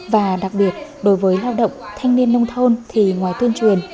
và đặc biệt đối với lao động thanh niên nông thôn thì ngoài tuyên truyền